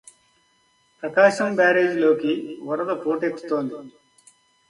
ప్రకాశం బ్యారేజిలోకి వరద పోటెత్తుతోంది